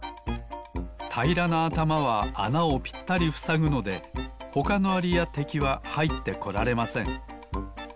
たいらなあたまはあなをぴったりふさぐのでほかのアリやてきははいってこられません。